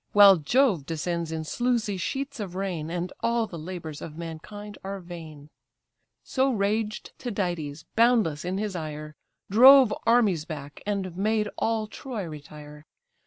While Jove descends in sluicy sheets of rain, And all the labours of mankind are vain. So raged Tydides, boundless in his ire, Drove armies back, and made all Troy retire.